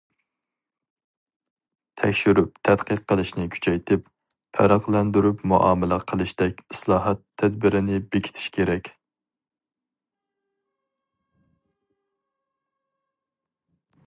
تەكشۈرۈپ تەتقىق قىلىشنى كۈچەيتىپ، پەرقلەندۈرۈپ مۇئامىلە قىلىشتەك ئىسلاھات تەدبىرىنى بېكىتىش كېرەك.